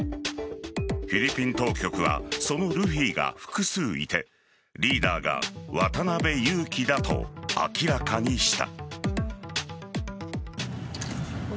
フィリピン当局はそのルフィが複数いてリーダーが渡辺優樹だと明らかにした。